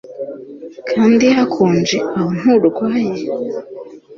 kandi hakonje aho nturwaye!